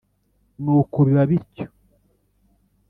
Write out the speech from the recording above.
Nuko biba bityo